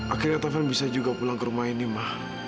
akhirnya taufan bisa juga pulang ke rumah ini ma